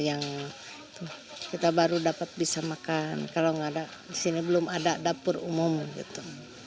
yang kita baru dapat bisa makan kalau nggak ada di sini belum ada dapur umum gitu